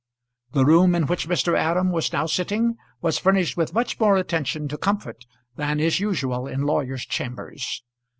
The room in which Mr. Aram was now sitting was furnished with much more attention to comfort than is usual in lawyers' chambers.